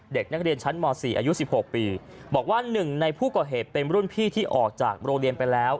เด็กนักเรียนชั้นม๔อายุ๑๖ปีบอกว่าหนึ่งในผู้ก่อเหตุเป็นรุ่นพี่ที่ออกจากโรงเรียนไปแล้ว